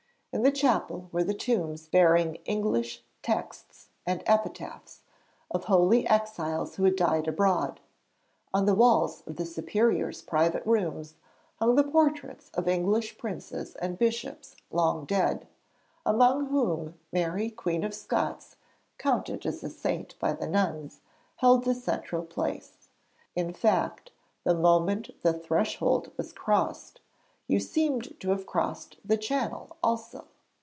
In the chapel were the tombs bearing English texts and epitaphs, of holy exiles who had died abroad. On the walls of the Superior's private rooms hung the portraits of English princes and bishops long dead, among whom Mary Queen of Scots counted as a saint by the nuns held the central place. In fact, the moment the threshold was crossed, you seemed to have crossed the Channel also.